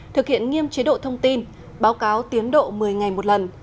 thực hiện nghiêm chế độ thông tin báo cáo tiến độ một mươi ngày một lần